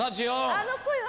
ああの声は！